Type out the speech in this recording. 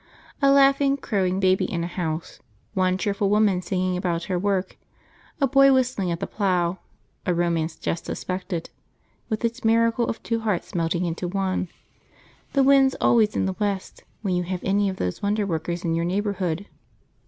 A laughing, crowing baby in a house, one cheerful woman singing about her work, a boy whistling at the plough, a romance just suspected, with its miracle of two hearts melting into one the wind's always in the west when you have any of these wonder workers in your neighbourhood.